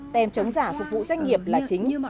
tem chống giả phục vụ doanh nghiệp là chính